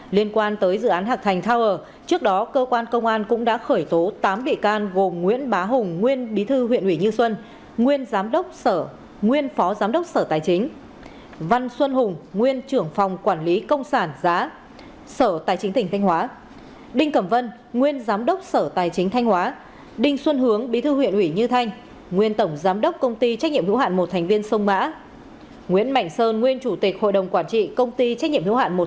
liên quan tới dự án hạc thành tower trước đó cơ quan công an cũng đã khởi tố tám bị can gồm nguyễn bá hùng nguyên bí thư huyện ủy như xuân nguyên giám đốc sở nguyên phó giám đốc sở tài chính văn xuân hùng nguyên trưởng phòng quản lý công sản giá sở tài chính tỉnh thanh hóa đinh cẩm vân nguyên giám đốc sở tài chính thanh hóa đinh xuân hướng bí thư huyện ủy như thanh nguyên tổng giám đốc công ty trách nhiệm hữu hạn một thành viên sông mã nguyễn mạnh sơn nguyên chủ